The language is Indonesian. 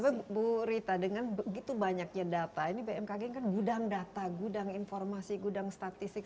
tapi bu rita dengan begitu banyaknya data ini bmkg kan gudang data gudang informasi gudang statistik